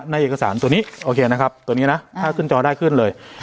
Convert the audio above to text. ในเอกสารตัวนี้โอเคนะครับตัวนี้นะถ้าขึ้นจอได้ขึ้นเลย